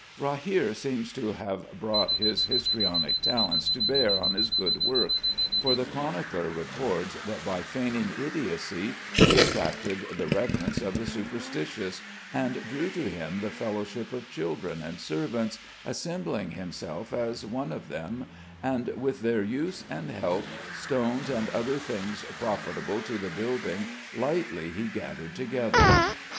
Rahere seems to have brought his histrionic talents to bear on his good work, for the chronicler records that by feigning idiocy he attracted the reverence of the superstitious, and "drew to him the fellowship of children and servants, assembling himself as one of them; and with their use and help, stones and other things profitable to the building lightly he gathered together."